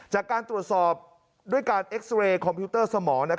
จากการตรวจสอบด้วยการเอ็กซ์เรย์คอมพิวเตอร์สมอง